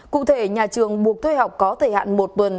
cụ thể nhà trường buộc thuê học có thời hạn một tuần